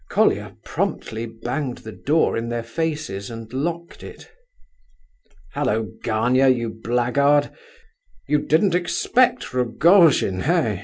Colia promptly banged the door in their faces and locked it. "Hallo, Gania, you blackguard! You didn't expect Rogojin, eh?"